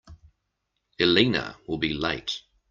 Elena will be late.